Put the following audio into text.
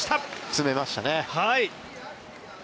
詰めましたね。